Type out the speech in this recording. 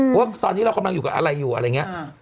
เพราะว่าตอนนี้เรากำลังอยู่กับอะไรอยู่อะไรอย่างนี้